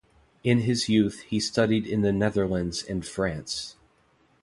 In his youth he studied in the Netherlands and France.